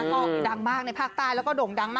ดังมากในภาคใต้แล้วก็โด่งดังมาก